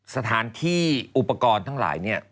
สถานที่อุปกรณ์ทั้งหลายเนี่ย